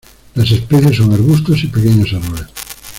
Las especies son arbustos y pequeños árboles.